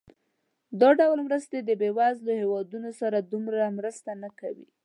دا ډول مرستې د بېوزله هېوادونو سره دومره مرسته نه کوي.